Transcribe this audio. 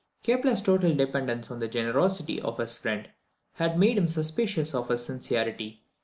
Kepler's total dependence on the generosity of his friend had made him suspicious of his sincerity.